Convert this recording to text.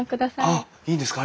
あっいいんですか？